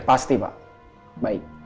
pasti pak baik